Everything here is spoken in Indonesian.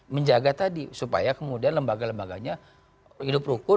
menjaga tadi supaya kemudian lembaga lembaganya hidup rukun